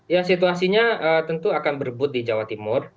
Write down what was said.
ya situasinya tentu akan berebut di jawa timur